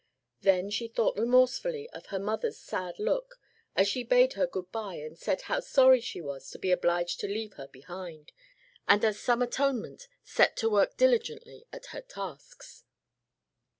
Then she thought remorsefully of her mother's sad look, as she bade her good bye and said how sorry she was to be obliged to leave her behind, and as some atonement set to work diligently at her tasks.